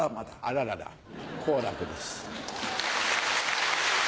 あららら好楽です。